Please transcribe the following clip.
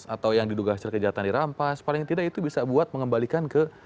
atau yang diduga hasil kejahatan dirampas paling tidak itu bisa buat mengembalikan ke